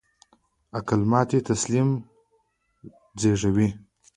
د عقل ماتې تسلیم زېږوي.